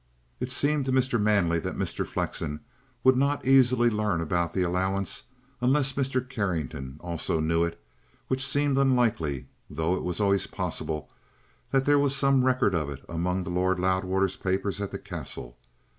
It seemed to Mr. Manley that Mr. Flexen would not easily learn about the allowance unless Mr. Carrington also knew it, which seemed unlikely, though it was always possible that there was some record of it among the Lord Loudwater's papers at the Castle.